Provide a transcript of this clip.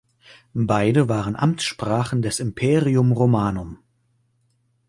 Beide waren Amtssprachen des Imperium Romanum.